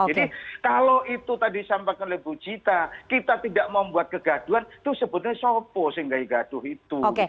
jadi kalau itu tadi disampaikan oleh bu zita kita tidak mau buat kegaduhan itu sebetulnya sopo sehingga di gaduh itu